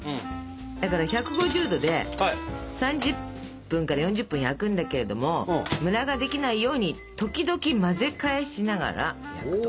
だから１５０℃で３０分から４０分焼くんだけれどもムラができないように時々混ぜ返しながら焼くと。